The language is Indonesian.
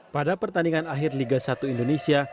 pada pertandingan akhir liga satu indonesia